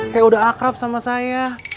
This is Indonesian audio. kayak udah akrab sama saya